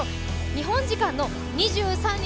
日本時間２３日